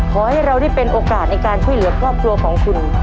ขอให้เราได้เป็นโอกาสในการช่วยเหลือครอบครัวของคุณ